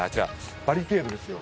バリケートですよ。